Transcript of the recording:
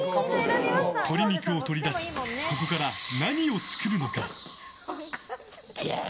鶏肉を取り出しここから何を作るのか。